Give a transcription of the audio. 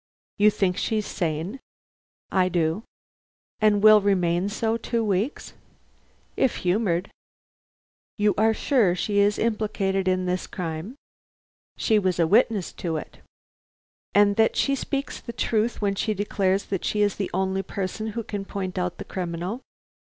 "You think she's sane?" "I do." "And will remain so two weeks?" "If humored." "You are sure she is implicated in this crime?" "She was a witness to it." "And that she speaks the truth when she declares that she is the only person who can point out the criminal?"